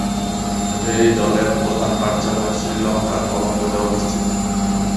এই দলের প্রধান কার্যালয় শ্রীলঙ্কার কলম্বোতে অবস্থিত।